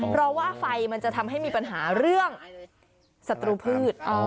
เพราะว่าไฟมันจะทำให้มีปัญหาเรื่องศัตรูพืช